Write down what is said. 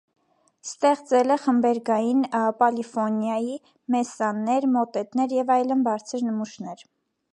Ստեղծել է խմբերգային պոլիֆոնիայի (մեսսաներ, մոտետներ և այլն) բարձր նմուշներ։